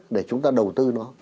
để chúng ta đầu tư nó